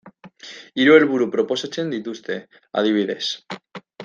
Hiru helburu proposatzen dituzte, adibidez.